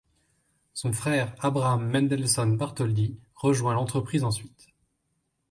Son frère Abraham Mendelssohn Bartholdy rejoint l'entreprise ensuite.